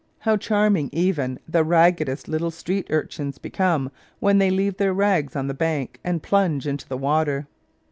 How charming even the raggcdest little street urchins become when they leave their rags on the bank and plunge into the water